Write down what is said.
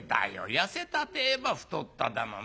痩せたてえば太っただなんて。